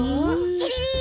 チリリン。